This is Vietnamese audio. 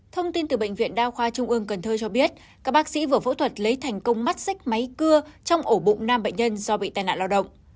thông tin từ bệnh viện đa khoa trung ương cần thơ cho biết các bác sĩ vừa phẫu thuật lấy thành công mắt xích máy cưa trong ổ bụng nam bệnh nhân do bị tai nạn lao động